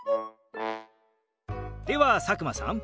では佐久間さん。